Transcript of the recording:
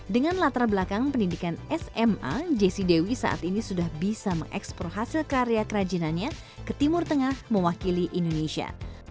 dengan latar belakang pendidikan sma jessi dewi saat ini sudah bisa mengeksplor hasil karya kerajinannya ke timur tengah mewakili indonesia